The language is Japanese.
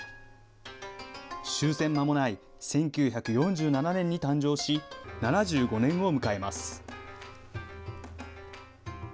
終戦まもない１９４７年に誕生し、７５年を迎えます。